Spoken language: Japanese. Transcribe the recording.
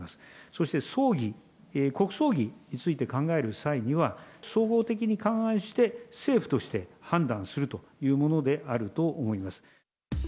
そして葬儀、国葬儀について考える際には、総合的に勘案して、政府として、判断するというものであると思います。